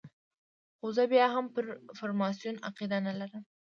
خو زه بیا هم پر فرماسون عقیده نه لرم.